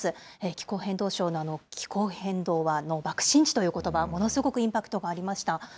気候変動相の気候変動の爆心地というものすごくインパクトがありました。